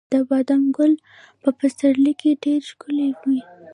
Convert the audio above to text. د بادامو ګل په پسرلي کې ډیر ښکلی وي.